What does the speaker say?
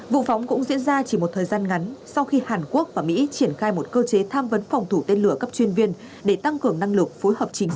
vụ phóng cũng diễn ra chỉ một thời gian ngắn sau khi hàn quốc và mỹ triển khai một cơ chế tham vấn phòng thủ tên lửa cấp chuyên viên để tăng cường năng lực phối hợp chính